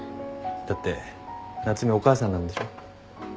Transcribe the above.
だって夏海お母さんなんでしょ。